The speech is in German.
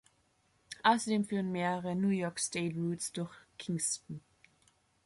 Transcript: Außerdem führen mehrere New York State Routes durch Kingston.